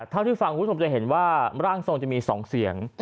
เท่าที่ฟังคุณผู้ชมจะเห็นว่าร่างทรงจะมี๒เสียง